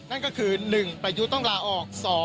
นั่นก็คือ๑ประยุทธ์ต้องลาออก๒